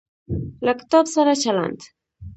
له کتاب سره چلند